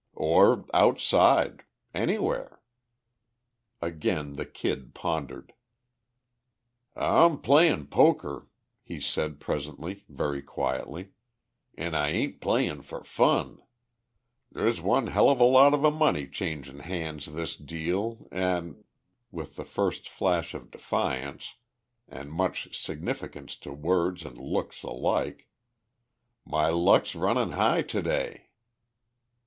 "Or outside. Anywhere." Again the Kid pondered. "I'm playin' poker," he said presently, very quietly. "An' I ain't playin' for fun. There's one hell of a lot of money changin' han's this deal, an'," with the first flash of defiance, and much significance to words and look alike, "my luck's runnin' high today!"